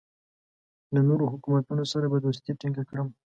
له نورو حکومتونو سره به دوستي ټینګه کړم.